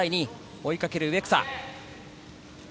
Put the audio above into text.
追いかける植草。